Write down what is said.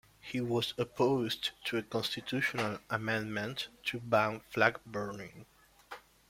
He was opposed to a constitutional amendment to ban flag burning.